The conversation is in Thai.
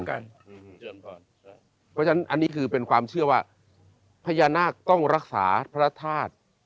เพราะฉะนั้นอันนี้คือเป็นความเชื่อว่าพญานาคต้องรักษาพระธาตุ